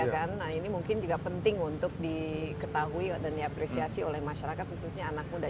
nah ini mungkin juga penting untuk diketahui dan diapresiasi oleh masyarakat khususnya anak muda